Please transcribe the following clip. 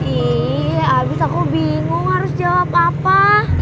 iya abis aku bingung harus jawab apa